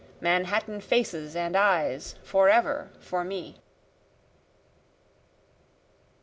Manhattan faces and eyes forever for me.